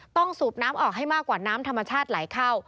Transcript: สูบน้ำออกให้มากกว่าน้ำธรรมชาติไหลเข้า